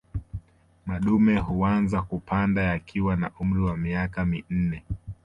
Madume huanza kupanda yakiwa na umri wa miaka minne